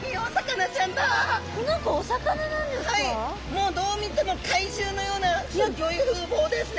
もうどう見ても怪獣のようなすギョい風貌ですね。